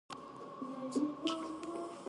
د پخلي زده کړه د هیلې لپاره کومه مینه نه درلوده.